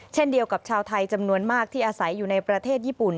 เช่นเดียวกับชาวไทยจำนวนมากที่อาศัยอยู่ในประเทศญี่ปุ่น